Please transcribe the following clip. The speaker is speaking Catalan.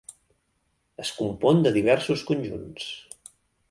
Es compon de diversos conjunts.